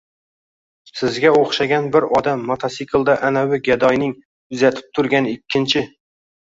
sizga o`xshagan bir odam motosiklda anavi gadoyning uzatib turgan ikkinchi